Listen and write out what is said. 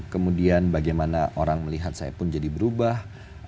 kemudian bagaimana orang melihat saya pun jadi berubah